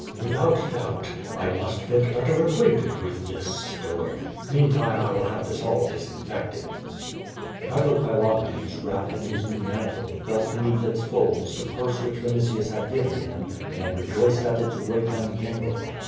"Without doubt. I must get better acquainted with this Stoic. Meantime I will have this hall disinfected." Chilo Chilonides, wrapt in his new mantle, felt beneath QUO VADI8, IT3 its folds the purse which Vinitius had given him, and rejoiced at its weight and jingle.